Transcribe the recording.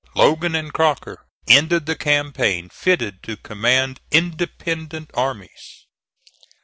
Logan and Crocker ended the campaign fitted to command independent armies.